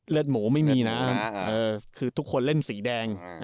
หมูไม่มีนะคือทุกคนเล่นสีแดง